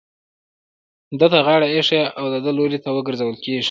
ده ته غاړه ايښې او د ده لوري ته ورگرځول كېږي.